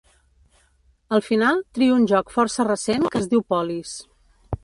Al final, trio un joc força recent que es diu Polis.